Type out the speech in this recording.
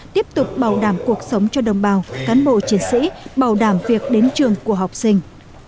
tiếp tục bảo đảm cuộc sống cho đồng bào cán bộ chiến sĩ bảo đảm việc đến trường của học sinh